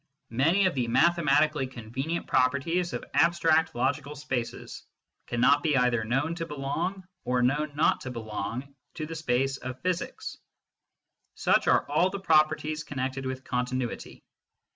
Many of the mathematically convenient properties ol abstract logical spaces cannot be either known to belong or known not to belong to the space of physics. Such are all the properties connected with continuity.